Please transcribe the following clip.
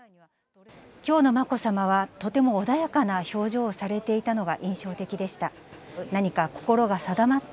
きょうのまこさまは、とても穏やかな表情をされていたのが印象的でした。